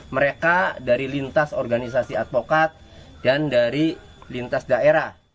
mereka dari lintas organisasi advokat dan dari lintas daerah